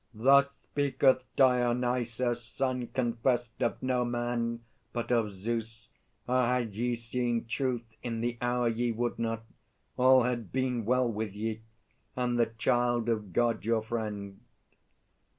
Thus speaketh Dionysus, Son confessed Of no man but of Zeus! Ah, had ye seen Truth in the hour ye would not, all had been Well with ye, and the Child of God your friend!